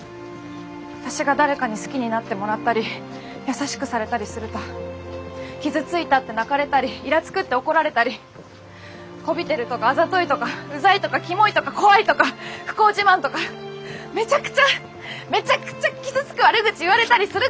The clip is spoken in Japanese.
私が誰かに好きになってもらったり優しくされたりすると傷ついたって泣かれたりイラつくって怒られたりこびてるとかあざといとかうざいとかキモいとか怖いとか不幸自慢とかめちゃくちゃめちゃくちゃ傷つく悪口言われたりするからです！